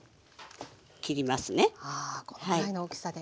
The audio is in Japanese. あこのぐらいの大きさで。